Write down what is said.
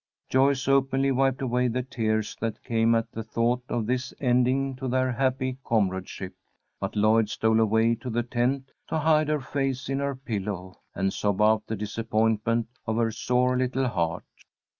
Joyce openly wiped away the tears that came at the thought of this ending to their happy comradeship, but Lloyd stole away to the tent to hide her face in her pillow, and sob out the disappointment of her sore little heart.